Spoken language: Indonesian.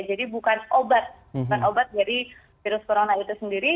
jadi bukan obat bukan obat dari virus corona itu sendiri